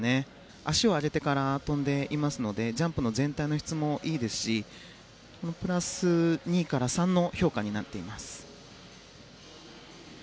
足を上げてから跳んでいますのでジャンプの全体の質もいいですしプラス２から３の評価になっています。